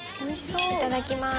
いただきます。